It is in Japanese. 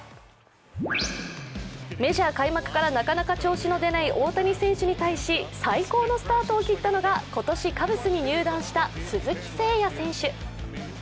メジャー開幕からなかなか調子の出ない大谷選手に対し、最高のスタートを切ったのが今年カブスに入団した鈴木誠也選手。